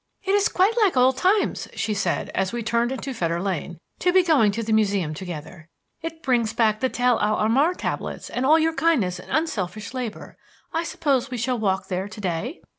"It is quite like old times," she said, as we turned into Fetter Lane, "to be going to the Museum together. It brings back the Tell el Amarna tablets and all your kindness and unselfish labor. I suppose we shall walk there to day?"